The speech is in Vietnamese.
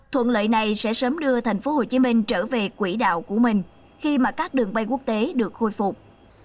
thuận lợi này sẽ sớm đưa thành phố hồ chí minh trở về quỹ đạo của mình khi mà các đường bay quốc tế được khôi phục